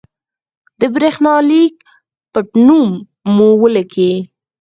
د برېښنالېک پټنوم مو ولیکئ.